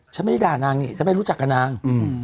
ฉันไม่ได้ด่านางนี่ฉันไม่รู้จักกับนาง